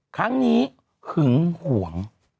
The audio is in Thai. ครั้งนี้หึงห่วง